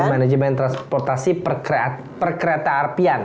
manajemen transportasi perkereta apian